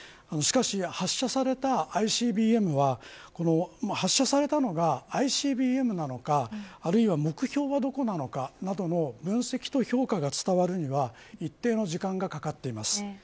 しかし発射されたＩＣＢＭは発射されたのがＩＣＢＭなのかあるいは目標はどこなのかなどの分析と評価が伝わるには一定の時間がかかっています。